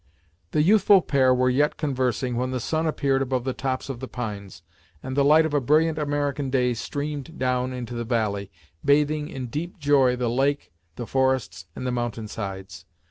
The youthful pair were yet conversing when the sun appeared above the tops of the pines, and the light of a brilliant American day streamed down into the valley, bathing "in deep joy" the lake, the forests and the mountain sides.